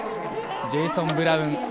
ジェイソン・ブラウン。